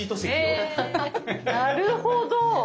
なるほど！